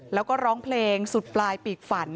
แล้วก็ร้องเพลงสุดปลายปีกฝัน